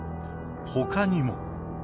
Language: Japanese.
ほかにも。